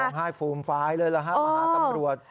ให้ฟูมฟายเลยล่ะฮะมาหาตำรวจ